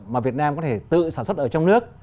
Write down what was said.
mà việt nam có thể tự sản xuất ở trong nước